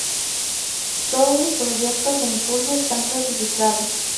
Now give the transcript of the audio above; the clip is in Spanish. Todos sus proyectos en curso están clasificados.